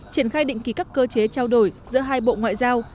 triển khai định ký các cơ chế trao đổi giữa hai bộ ngoại giao